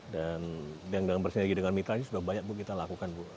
dan yang bersinergi dengan mitra ini sudah banyak bu kita lakukan bu